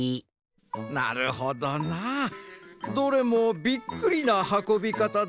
なるほどなどれもびっくりなはこびかただなあ。